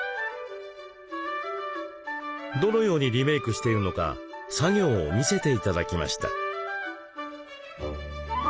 どのようにリメイクしているのか作業を見せて頂きました。